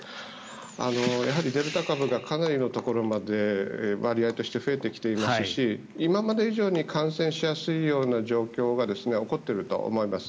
やはりデルタ株がかなりのところまで割合として増えてきていますし今まで以上に感染しやすいような状況が起こっていると思います。